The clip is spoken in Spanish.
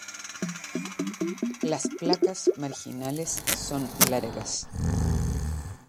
Las placas marginales son largas.